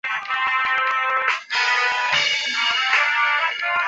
特定粒子的水平座标解析度比同等光学显微镜的解析度还要高。